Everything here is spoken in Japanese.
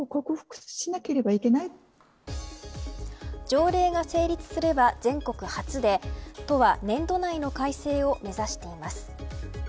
条例が成立すれば全国初で都は年度内の改正を目指しています。